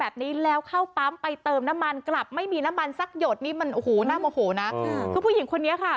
โอ้โฮไม่อยากขับรถเลย